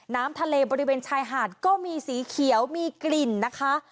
น้ำทะเลบริเวณชายหาดก็มีสีเขียวมีกลิ่นนะคะ